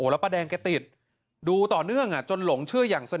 โลกปลาก็ติดดูต่อเนื่องจนหลงเชื่ออย่างสนีด